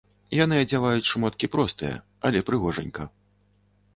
Яны адзяваюць шмоткі простыя, але прыгожанька.